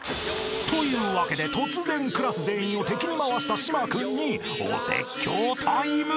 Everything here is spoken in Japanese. ［というわけで突然クラス全員を敵に回した島君にお説教タイム］